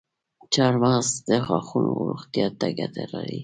چارمغز د غاښونو روغتیا ته ګټه لري.